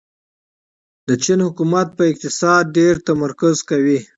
د چین حکومت په اقتصاد ډېر تمرکز کوي.